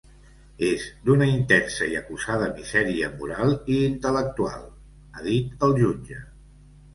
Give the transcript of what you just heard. És d’una intensa i acusada misèria moral i intel·lectual, ha dit el jutge.